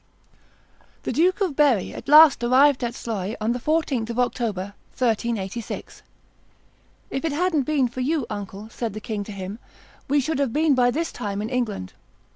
The Duke of Berry at last arrived at Sluys on the 14th of October, 1386. "If it hadn't been for you, uncle," said the king to him, "we should have been by this time in England."